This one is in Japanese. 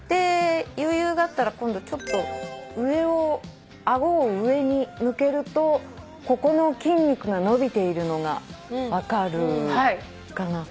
余裕があったら今度ちょっと顎を上に向けるとここの筋肉が伸びているのが分かるかな。